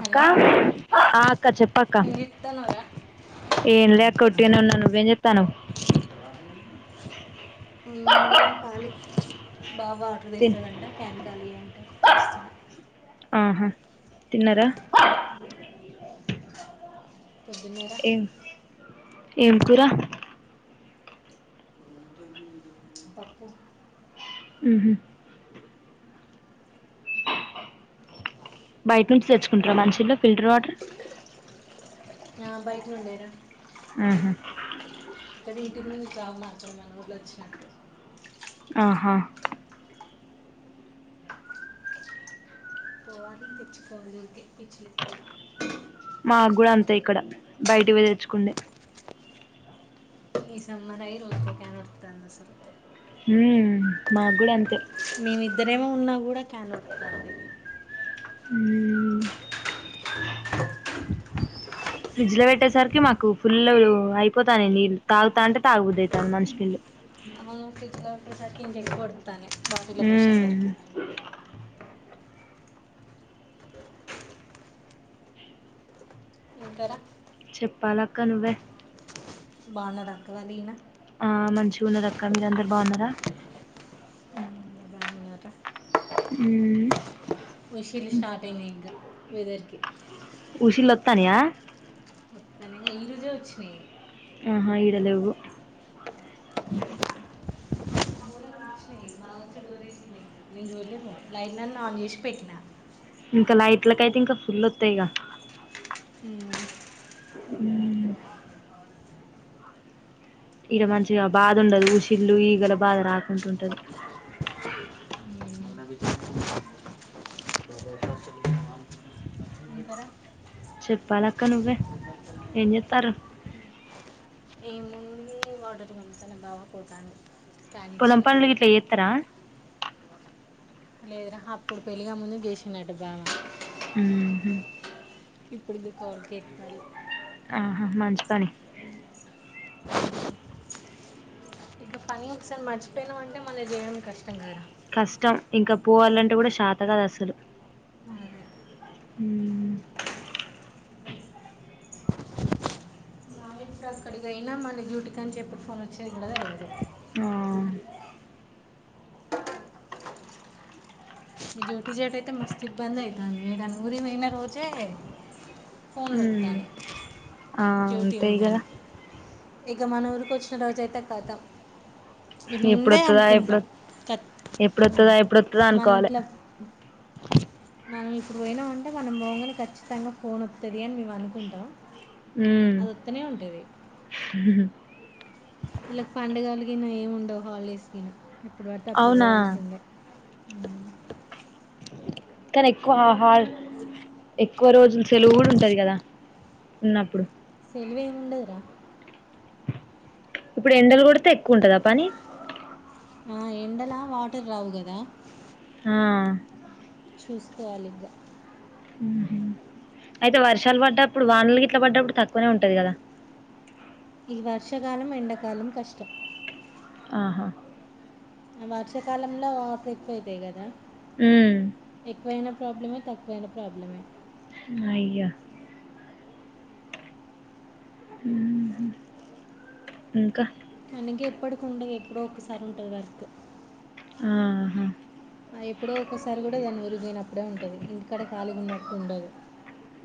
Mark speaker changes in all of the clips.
Speaker 1: Hello
Speaker 2: ఆ అక్క చెప్పక్క
Speaker 1: ఏం చేత్తన్నావ్రా
Speaker 2: ఏం లే అక్క ఉట్టిగానే ఉన్నా నువ్వేం చేత్తానవ్
Speaker 1: ఏం ఉందిరా ఖళీ బాబాట్ర్
Speaker 2: తిన్
Speaker 1: తెస్తాడంట క్యాన్ ఖాళీ అంటే చేస్తున్నా
Speaker 2: ఆహా తిన్నరా
Speaker 1: పొద్దిమీరా
Speaker 2: ఏం ఏం కూరా
Speaker 1: పప్పు
Speaker 2: ఉహు. బయట నుంచి తెచ్చుకుంటర మంచి నీళ్లు ఫిల్టర్ వాటర్.
Speaker 1: ఆ బయట నుండెర.
Speaker 2: ఉహూ
Speaker 1: ఉమ్ ఆవు మాత్రం మన ఊర్లో వచ్చినట్టు.
Speaker 2: అహా
Speaker 1: తెచ్చుకోవాలి అయితే పిచ్చి లేస్తుది.
Speaker 2: మాక్గూడా అంతే ఇక్కడ బయటి తెచ్చుకుందే
Speaker 1: ఈ సమ్మర్ ఐ రోజుకో క్యాన్ వోడుస్తాంది అసలు కు.
Speaker 2: ఉ మాకు కూడా అంతే
Speaker 1: ఇద్దరేమో ఉన్నా కూడా క్యాన్లోటాండీ
Speaker 2: ఉమ్ ఫ్రిడ్జ్ లో పెట్టేసరికి మాకు ఫుల్ అయిపోతానయి నీళ్ళు తాగుతా అంటే తాగుబద్దు అవుతాంది మనిషి నీల్లు
Speaker 1: మానను పసారికిందడికి పడు తనే బాటిలో పోసే
Speaker 2: ఉమ్
Speaker 1: సరికి ఇంగర
Speaker 2: చెప్పాలక్క నువ్వే
Speaker 1: బానార అక్రలీనా
Speaker 2: ఆ మంచిగున్నరక్క మీరందరు బాగున్నారా ఉమ్
Speaker 1: విషిల్లు స్టార్ట్ అయినాయి ఇగా మీడేరికి
Speaker 2: ఉషిలత్తానియా
Speaker 1: నంగా ఈ రోజే వచ్చినాయి
Speaker 2: ఆహా ఇడ లేవు
Speaker 1: [unintelligible]
Speaker 2: ఇంకా లైట్లకైతే ఇంకా ఫుల్ వతాయిక
Speaker 1: ఉమ్
Speaker 2: ఉమ్ ఇక్కడ మంచిగా బాధ ఉండదు ఉసిల్లు ఈగల బాధ రాక
Speaker 1: [inaudible] ఇంకరా
Speaker 2: చెప్పాలక్క నువ్వే ఎంచేతారు
Speaker 1: ఏ ముందు వాటర్ వెళ్తేనే బాగా పోతాంది
Speaker 2: పోలం పంలు గీట్ల ఏతురా
Speaker 1: లేదురా అప్పుడు పెళ్లిగా ముందు గసినట్టు బాగా
Speaker 2: ఉంహు
Speaker 1: ఇప్పుడుంది కాల్ కేక్ మల్ల
Speaker 2: ఆహా మంచి పని
Speaker 1: ఇక పని ఒకసారి మర్చిపోయినవ్ అంటే మళ్ళీ చేయడం కష్టం కదరా
Speaker 2: కష్టం ఇంకా పోవాలంటే కూడా శాతకాదు అసలు
Speaker 1: అదే
Speaker 2: హిం
Speaker 1: బావి అయినా మంది డ్యూటీ కి అని చెప్పి ఫోన్ వచ్చేది లేదో
Speaker 2: ఆ
Speaker 1: ఈ జోటి జాట్ అయితే మస్త్ ఇబ్బంది అయితాంది దాని వురిన్ అయిత రోజే ఫోన్లు
Speaker 2: హ్మ్మ్
Speaker 1: వస్తాను
Speaker 2: హ ఆ
Speaker 1: డ్యూటీ
Speaker 2: అంతే
Speaker 1: ఉందని
Speaker 2: గదా
Speaker 1: ఇక మన ఊరుకొచ్చిన రోజయితే కతం
Speaker 2: ఎప్పుడోత్తదా ఎప్పుడోత్ ఎప్పుడుత్తదా ఎప్పుడుత్తదా అనుకోవాలి
Speaker 1: ట్ల మనం ఇప్పుడు పోయినామంటే మనం పోగానే ఖచ్చితంగా ఫోన్ వతది అని నువ్ అనుకుంటావ్
Speaker 2: మ్ హు
Speaker 1: వీళ్ళకి పండగలు గీనా ఏమీ ఉండవు హాలిడేస్ కినా ఎప్పుడు బడితే అప్పుడు
Speaker 2: అవునా
Speaker 1: పోవాల్సిందే అ
Speaker 2: కానీ ఎక్కువ ఆహల్ ఎక్కువ రోజుల సెలవు ఉంటది కదా ఉన్నప్పుడు
Speaker 1: తెలివెం ఉండదురా
Speaker 2: ఇప్పుడు ఎండలు కొడితే ఎక్కువ ఉంటదా పనీ
Speaker 1: ఆ ఎండల వాటర్ రావు గదా
Speaker 2: ఆ
Speaker 1: చూసుకోవాలి ఇగ్గ
Speaker 2: అయితే వర్షాలు పడ్డప్పుడు వానలు గిట్లా పడ్డప్పుడు తక్కువనే ఉంటది కదా
Speaker 1: ఈ వర్షకాలం ఎండకాలం కష్టం
Speaker 2: ఆహా
Speaker 1: వర్షాకాలంలో ఆ ట్రిప్ అయితాయి కదా
Speaker 2: ఉమ్
Speaker 1: ఎక్కువైనా ప్రాబ్లమే తక్కువైన ప్రాబ్లమే
Speaker 2: అయ్యా ఉంహూ ఇంకా
Speaker 1: కానీ ఇగ ఎప్పటికి ఉండదు ఎప్పుడో ఒకసారి ఉంటది వర్క్
Speaker 2: ఆహా
Speaker 1: ఆ ఎప్పుడో ఒకసారి కూడా దాన్ని ఊరి పోయినప్పుడే ఉంటది ఇంటికాడ ఖాలీ ఉన్నప్పుడు ఉండదు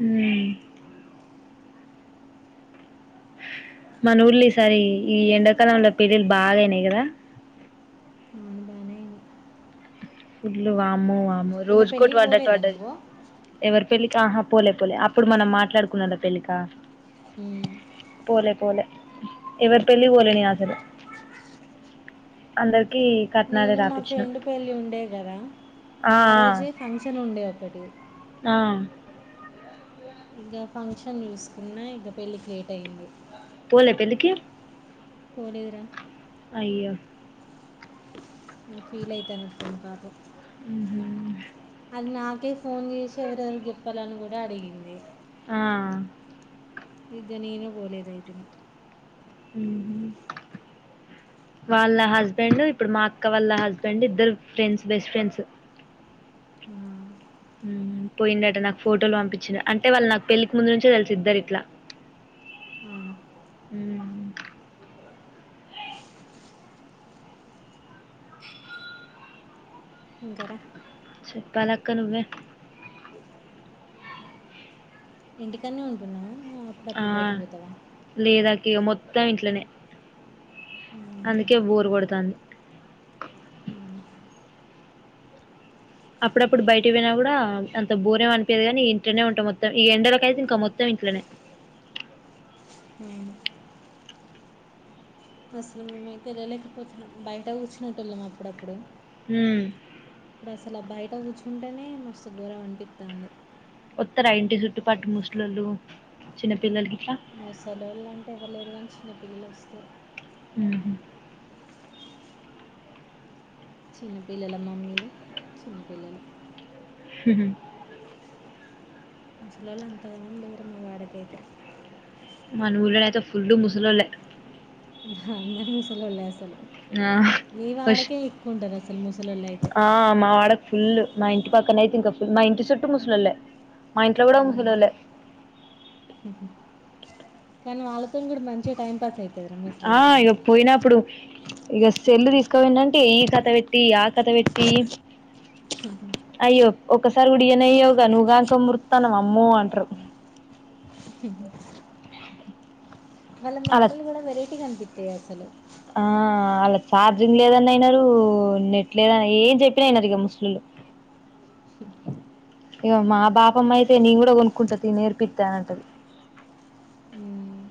Speaker 2: ఉమ్ మన ఊళ్ళో ఈ సారి ఈ ఎండాకాలంలో పెళ్ళిళ్ళు బాగయినాయి కదా
Speaker 1: అవును బాగానే అయింది
Speaker 2: ఫుడ్లు వామో
Speaker 1: వీళ్ళ
Speaker 2: రోజుకోటి
Speaker 1: పెళ్ళికి
Speaker 2: పడ్డట్టు
Speaker 1: పోలేదా
Speaker 2: పడ్డది
Speaker 1: నువ్వు
Speaker 2: ఎవరి పెళ్ళి ఆహా పోలే పోలే అప్పుడు మనం మాట్లాడుకున్నారా తెలీక
Speaker 1: ఉమ్.
Speaker 2: పోలే పోలే ఎవరి పెళ్ళికి పోలే నే అసలు అందరు కి కట్నాల
Speaker 1: నేను మా
Speaker 2: రాపిచ్చినం
Speaker 1: ఫ్రెండ్ పెళ్ళి ఉండే కదా ఆ రోజే ఫంక్షన్ ఉండే ఒకటి
Speaker 2: అ
Speaker 1: ఇక ఫంక్షన్ చూసుకున్నా ఇక పెళ్ళికి లేట్ అయింది
Speaker 2: పోలే పెళ్లికి
Speaker 1: [unintelligible]
Speaker 2: అయ్యో
Speaker 1: హు ఫీల్ అయితానట్టుంది పాపం
Speaker 2: మ్ హు
Speaker 1: నాకే ఫోన్ చేసి ఎవరెవరికి చెప్పాలని కూడా అడిగింది
Speaker 2: ఆ
Speaker 1: ఇద నేనే పోలేదాయితేనే
Speaker 2: మ్ హు వాళ్ళ హస్బెండ్ ఇప్పుడు మా అక్క వాళ్ళ హస్బెండ్ ఇద్దరు ఫ్రెండ్స్ బెస్ట్ ఫ్రెండ్స్
Speaker 1: మ్
Speaker 2: మ్ పోయిండట నాకు ఫోటోలు పంపించిండ్రు అంటే వాళ్ళు నాకు పెళ్ళికి ముందు నుంచే తెలిసి ఇద్దరు ఇట్లా
Speaker 1: అవునా
Speaker 2: ఉమ్
Speaker 1: ఇంగర
Speaker 2: చెప్పాలక్క నువ్వే
Speaker 1: ఇంటికడనే ఉంటున్నావా
Speaker 2: ఆ
Speaker 1: అప్పుడప్పుడు బయటికి పోతావా
Speaker 2: లేదక్కాయ మొత్ ట ఇంట్లోనే
Speaker 1: అవునా
Speaker 2: అందుకే బోరు కొడతాంది. అప్పుడప్పుడు బయటకి పోయినా కూడా అంత బోరేం అనిపియదిగాని ఇంట్లోనే ఉంటాం మొత్తం ఈ ఎండలకయితే ఇంక మొత్తం ఇంట్లోనే
Speaker 1: అవును ఇప్పుడస్సలు మేమైతే లేలేకపోతున్నాం బయట కూర్చునేటోళ్ళం అప్పుడప్పుడు.
Speaker 2: హ్మ్
Speaker 1: ఇప్పుడస్సల ఆ బయట్ తగుచుంటేనే మస్తు ఘోరం అనిపిత్తా ఉంది
Speaker 2: వత్తరా ఇంటి చుట్టుపట్టు ముసల్లోలు చిన్నపిల్లలకి
Speaker 1: ముసలోళ్ళు అంటే ఎవరులేరు కాని చిన్న పిల్లలొస్తరు.
Speaker 2: హ్మ్ హు
Speaker 1: చిన్నపిల్లల మమ్మీలు చిన్నపిల్లలు
Speaker 2: హ్మ్ హు
Speaker 1: ముసలోళ్ళు అంతగనం లేరు మావాడకైతే
Speaker 2: మన ఊళ్ళోగైతే ఫుల్లు ముసలోళ్ళె.
Speaker 1: హ్ అందరూ ముసలొళ్ళే అసలు
Speaker 2: నా
Speaker 1: మీ
Speaker 2: పస్ట్
Speaker 1: వాడకే ఎక్కువ ఉంటారు అసలు ముసలోళ్ళు అయితే
Speaker 2: ఆ మా వాడకి ఫుల్ మా ఇంటి పక్కన అయితే ఇంక ఫుల్ మా ఇంటి చుట్టూ ముసలోళ్ళె మా ఇంట్లో కూడా ముసలోళ్ళె
Speaker 1: హ్మ్ హు కాని వాళ్ళతో మీరు మంచిగా టైం పాస్ అయి
Speaker 2: ఆ ఇగ పోయినప్పుడు ఇక సెల్లు తీసుకోపోయిండంటే ఈ కథ పెట్టి ఆ కథ పెట్టి అయ్యో ఒక తరువుడి ఇయనైయవుగా నువ్ గాని సం మురుతండవ్ అమ్మో అంట్రు
Speaker 1: హిమ్ మల్లె
Speaker 2: ఆళ్ళ
Speaker 1: మాటలు కూడా వెరైటీగా అనిపి తెే అసలు
Speaker 2: ఆ ఆల్లకి చార్జింగ్ లేదన్న ఇనరు నెట్ లేదన్న ఏం చెప్పిన ఇనరిక ముసలోళ్ళు, ఇక మా బాపమ్మ అయితే నేను కూడా కొనుక్కుంట తీ నేర్పిత్తానంటది
Speaker 1: మ్మ్.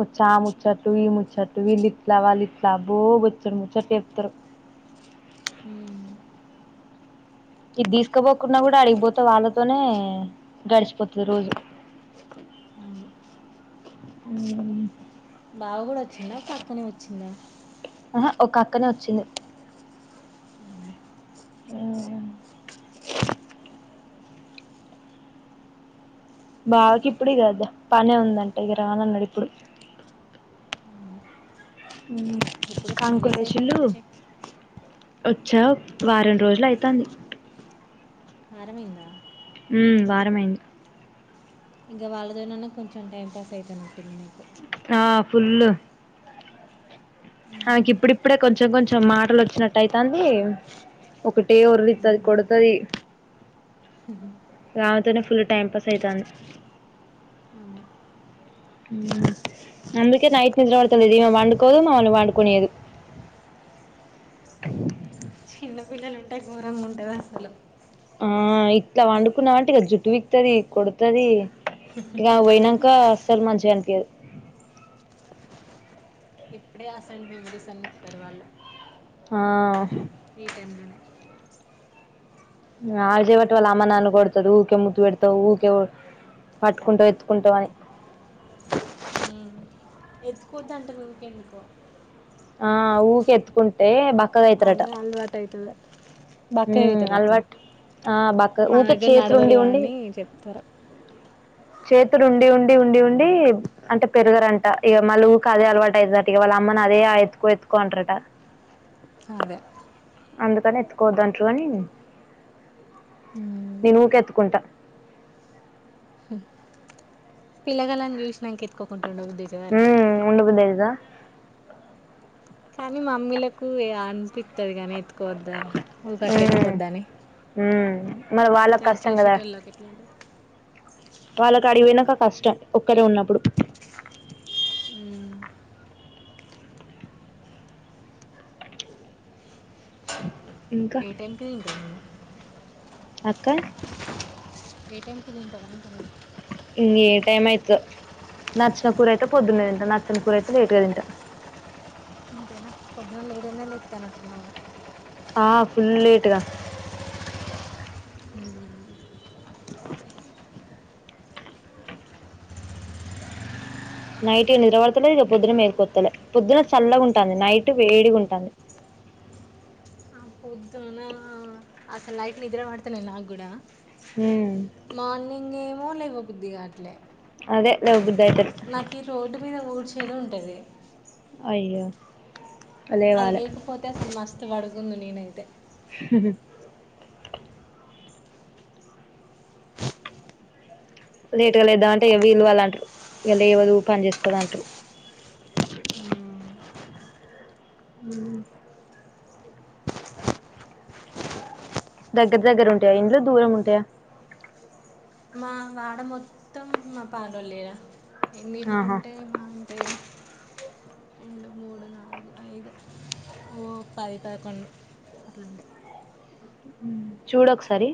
Speaker 2: వచ్చి ఆ ముచ్చట్లు ఈ ముచ్చట్లు వీళ్ళిట్ల వాళ్ళిట్ల అబ్బో బొచ్చేడు ముచ్చట్లు చెప్తరు
Speaker 1: మ్మ్.
Speaker 2: ఇది తీసుకపోకుండా కూడా ఆడికిపోతే వాళ్ళతోనే గడిచిపోతుది రోజు
Speaker 1: అవును.
Speaker 2: హుమ్
Speaker 1: బావ గూడ వచ్చిండ ఒక అక్కనే వచ్చిందా
Speaker 2: ఆహా ఒక అక్కనే వచ్చింది. బాకి
Speaker 1: ఇంకా
Speaker 2: ఇప్పుడిది కద పనే ఉందంట ఇక రానన్నాడు ఇప్పుడు
Speaker 1: ఎప్పుడో టెన్ డేస్ అయితంది వచ్చి
Speaker 2: వచ్చావ్ వారం రోజులు ఐతాంది
Speaker 1: వారమైందా
Speaker 2: మ్మ్ వారమైంది
Speaker 1: ఇంగ వాళ్ళతోనన్నా కొంచెం టైం పాస్ ఐతున్నట్టుంది నీకు
Speaker 2: ఆ ఫుల్లు ఆమెకి ఇప్పుడిప్పుడే కొంచెం కొంచెం మాటలు వచ్చినట్ అయితాంది ఒకటే ఓర్లుతది కొడుతది. రామెతోనే ఫుల్లు టైం పాస్ అయితాంది.
Speaker 1: అవును
Speaker 2: మ్మ్ అందుకే నైట్ నిద్ర పడతలేదు ఈమె పండుకోదు మమ్మల్ని పండుకోనీయదు.
Speaker 1: చిన్న పిల్లలు ఉంటే ఘోరంగా ఉంటది అసలు
Speaker 2: ఆ ఇట్లా వండుకున్నమంటే ఇగ జుట్టు పీక్తది కొడుతది ఇగ పోయినంకాస్ అసలు మంచిగనిపియ్యదు
Speaker 1: ఇప్పుడే ఆసంది [unintelligible] వాళ్ళు
Speaker 2: ఆ
Speaker 1: ఈ టైంలోనే
Speaker 2: ఆళచేపటి వాళ్ళ అమ్మ నన్ను కొడతాది ఊరికే ముద్దు పెడతావ్ ఊరికే పట్టుకుంటావ్ ఎత్తుకుంటావు అని
Speaker 1: ఎత్తుకోవద్దంటారు ఉకే ఎందుకో
Speaker 2: ఆ ఉకే ఎత్తుకుంటే బక్క
Speaker 1: అదే అలవాటైతదట
Speaker 2: హ్మ్.
Speaker 1: బక్కగైతరట్నా
Speaker 2: అలవాటు. ఆ! బక్క
Speaker 1: మా
Speaker 2: ఊకే
Speaker 1: దగ్గర
Speaker 2: చేతులుండి
Speaker 1: నడవరు అని చెప్తరు.
Speaker 2: చేతిలో ఉండి ఉండి ఉండి ఉండి అంటే పెరగరంట ఇగ మల్ల ఊకే అదే అలవాటయ్యిదట ఇగ వాళ్ళమ్మ నదే ఇగ ఎత్తుకో ఎత్తుకో అంటరట
Speaker 1: అదే
Speaker 2: అందుకనే ఎత్తుకోద్దంటరని నేను ఉకే ఎత్తుకుంటా.
Speaker 1: పిల్ల గాళ్లను చూసినంక ఎత్తుకోకుండ్
Speaker 2: మ్మ్ ఉండబుద్ధి అయితదా
Speaker 1: కానీ మమ్మీలకు ఇగ అనిపి వత్తది గానీ ఎత్తుకోవద్ద ఊకట్ల
Speaker 2: హ్మ్.
Speaker 1: ఎత్తుకోవద్దని
Speaker 2: హ్మ్. మరి వాళ్ళకి
Speaker 1: కానీ చూసేటోళ్ళకి ఎట్లుంటది
Speaker 2: వాళ్ళక్ ఆడిపొయ్యినంక కష్టం ఒక్కరే ఉన్నప్పుడు
Speaker 1: మ్మ్
Speaker 2: [inaudible]
Speaker 1: ఏ టైం కి తింటావ్ నువ్వు
Speaker 2: అక్క
Speaker 1: ఏ టైం కి తింటావ్ అంటున్న
Speaker 2: ఏ టైం అయితదో నచ్చిన కూర అయితే పొద్దున్నే తింటా నచ్చని కూర అయితే లేటుగా తింటా.
Speaker 1: అంతేనా పొద్దున్నే లేటుగనే లేతన్నట్టున్నావ్ గా
Speaker 2: ఆ ఫుల్లు లేటుగా [inaudible] నైట్ ఇగ నిద్ర పడతలే ఇగ పొద్దున మేలుకొత్తలే పొద్దున చల్లగుంటాంది నైటు వేడిగుంటాంది.
Speaker 1: పొద్దున అసలు నైట్ నిద్ర పడతలే నాగ్గుడా
Speaker 2: ఉమ్
Speaker 1: మార్నింగేమ్ మో లేవబుద్ధి గా
Speaker 2: అదే లెవబుద్
Speaker 1: నాకీ రోడ్డు మీద ఊడ్చేది ఉన్ పదే
Speaker 2: అయ్యో
Speaker 1: అది
Speaker 2: లేవాలే
Speaker 1: లేకపోతే అసలు మస్ తు పడుకుందు నేనైతే
Speaker 2: లేట్గా లేద్దామ అంటే వీల్లు వళ్ళంటారు లేవదు పని చేసుకోదు అంటారు దగ్గర దగ్గర ఉంటాయా ఇంట్లో దూరం ఉంటాయా
Speaker 1: మా వాడ మొత్తం మా పల్లోలేర ఎన్ని ఇల్లులు
Speaker 2: ఆహా
Speaker 1: ఉంటాే మా రెండు మూడు నాలుగు ఐదు ఓ పది పదకొండు అట్లాండి
Speaker 2: చూడొకసారి